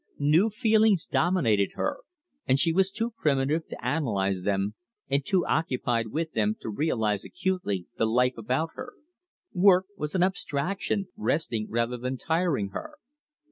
New feelings dominated her, and she was too primitive to analyse them and too occupied with them to realise acutely the life about her. Work was an abstraction, resting rather than tiring her.